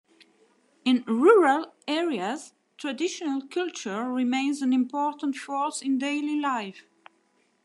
In rural areas, traditional culture remains an important force in daily life.